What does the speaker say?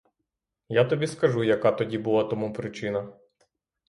Я тобі скажу, яка тоді була тому причина.